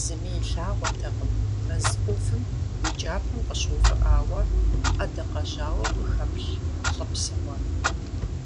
Зыми илъагъуртэкъым мэз ӏувым и кӏапэм къыщыувыӏауэ ӏэдакъэжьауэу къыхэплъ лӏы псыгъуэр.